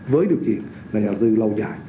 với điều kiện là nhà đầu tư lâu dài